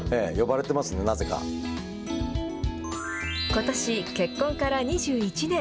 ことし、結婚から２１年。